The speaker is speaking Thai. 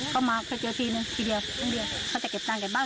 ก็มาเคยเจอทีนึงทีเดียวครั้งเดียวเขาจะเก็บตังค์กลับบ้าน